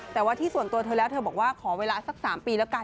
แต่ว่าที่ส่วนตัวเธอแล้วเธอบอกว่าขอเวลาสัก๓ปีแล้วกัน